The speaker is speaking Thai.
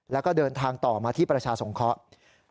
แล้วก็เดินทางต่อมาที่ประชาสงเคราะห์